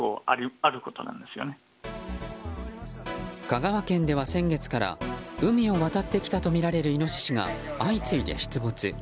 香川県では先月から海を渡ってきたとみられるイノシシが相次いで出没。